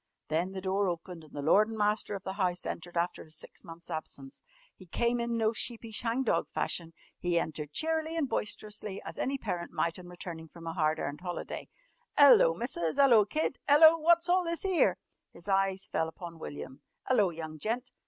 Then the door opened, and the lord and master of the house entered after his six months' absence. He came in no sheepish hang dog fashion. He entered cheerily and boisterously as any parent might on returning from a hard earned holiday. "'Ello, Missus! 'Ello, Kid! 'Ello! Wot's all this 'ere?" His eyes fell upon William. "'Ello young gent!"